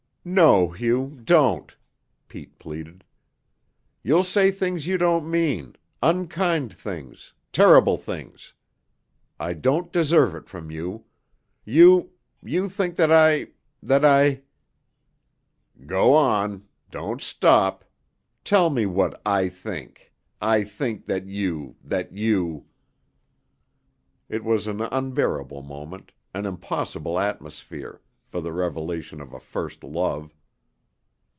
"No, Hugh, don't," Pete pleaded. "You'll say things you don't mean unkind things, terrible things. I don't deserve it from you. You you think that I that I " "Go on. Don't stop. Tell me what I think I think that you that you " It was an unbearable moment, an impossible atmosphere, for the revelation of a first love.